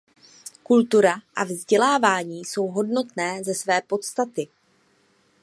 Kultura a vzdělávání jsou hodnotné ze své podstaty.